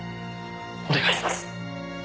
お願いします！